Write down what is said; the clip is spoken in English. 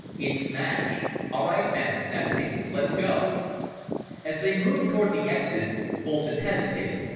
It smashed. "All right, men," snapped Haines, "let's go!" As they moved toward the exit, Boulton hesitated.